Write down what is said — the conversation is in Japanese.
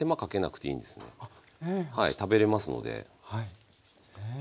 食べれますので。